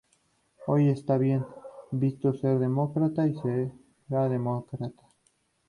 Hoy está bien visto ser demócrata y será demócrata"".